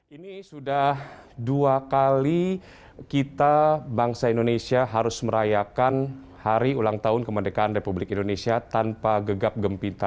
ini sudah dua kali kita bangsa indonesia harus merayakan hari ulang tahun kemerdekaan republik indonesia tanpa gegap gempita